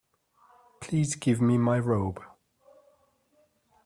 Please give me my robe.